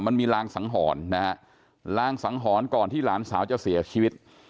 มันมีรางสังหรณ์นะฮะลางสังหรณ์ก่อนที่หลานสาวจะเสียชีวิต